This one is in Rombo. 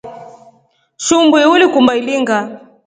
Shumbi ulikumba ilinga ?